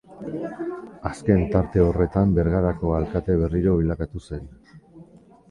Azken tarte horretan Bergarako alkate berriro bilakatu zen.